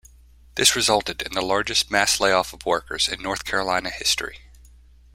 This resulted in the largest mass layoff of workers in North Carolina history.